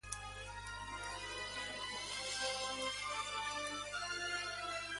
Pero aún quedaba un mayor avance y más fortificaciones.